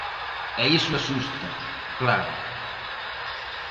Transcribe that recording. E iso asusta, claro.